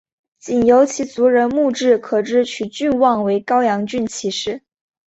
仅由其族人墓志可知其郡望为高阳郡齐氏。